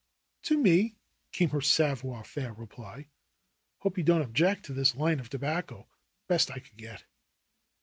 "To me," came her sa voire faire reply. "Hope you don't object to this line of tobacco. Best I could get."